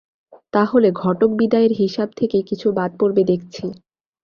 তা হলে ঘটক-বিদায়ের হিসাব থেকে কিছু বাদ পড়বে দেখছি।